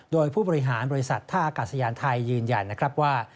โดยผู้บริหารบริษัทท่าอากาศยานไทยยืนยันนะครับว่า